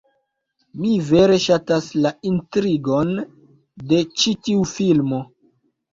Mi vere ŝatas la intrigon de ĉi tiu filmo